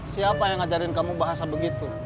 siapa yang ngajarin kamu bahasa begitu